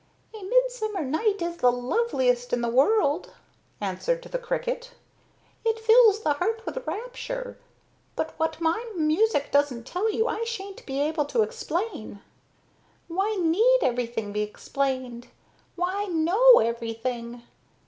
"A midsummer night is the loveliest in the world," answered the cricket. "It fills the heart with rapture. But what my music doesn't tell you I shan't be able to explain. Why need everything be explained? Why know everything?